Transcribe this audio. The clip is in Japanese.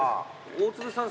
大鶴さん